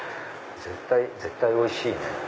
絶対おいしいね！